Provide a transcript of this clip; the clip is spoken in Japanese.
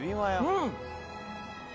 うん！